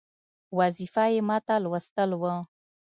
وظیفه یې ماته لوستل وه.